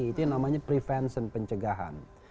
itu yang namanya prevention pencegahan